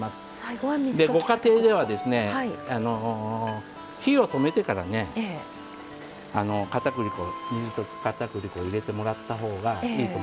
ご家庭では火を止めてからね水溶き片栗粉を入れてもらった方がいいと思います。